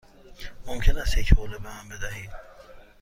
ممکن است یک حوله به من بدهید؟